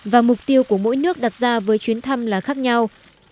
và mục tiêu của mỗi nước đặt ra với chuyến thăm là khác nhau